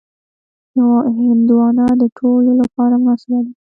هندوانه د ټولو لپاره مناسبه ده.